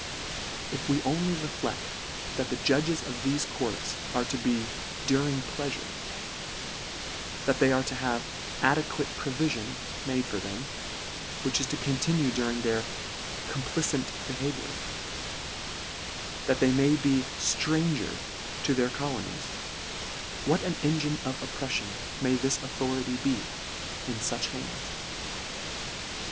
If we only reflecT: that the judges of thefe courts are to be during pleafure — that they are to have " adequate provi/ion" made for them, which is to continue during their complifant behaviour — that they may be LETTER IX. 93 sftranger to thefe colonies — what an engine of oppreffion may this authority be in fuch hands